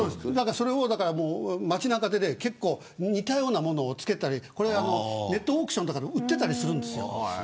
それを街中で若者が似たようなものを付けていたりこれをネットオークションとかでも売ってたりするんですよ。